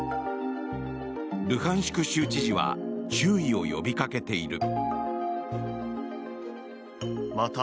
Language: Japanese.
ルハンシク州知事は注意を呼びかけている。